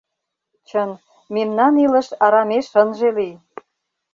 Чын: мемнан илыш арамеш ынже лий!..